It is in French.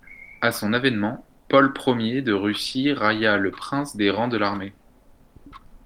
À son avènement, Paul Ier de Russie raya le prince des rangs de l'armée.